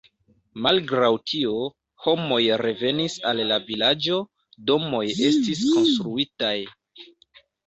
Malgraŭ tio, homoj revenis al la vilaĝo, domoj estis konstruitaj.